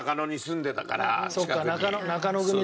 そうか中野組だ。